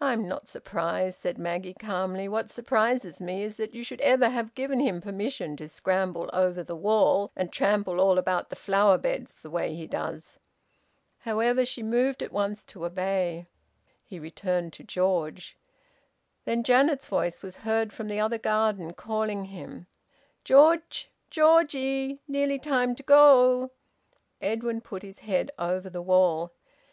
"I'm not surprised," said Maggie calmly. "What surprises me is that you should ever have given him permission to scramble over the wall and trample all about the flower beds the way he does!" However, she moved at once to obey. He returned to George. Then Janet's voice was heard from the other garden, calling him: "George! Georgie! Nearly time to go!" Edwin put his head over the wall.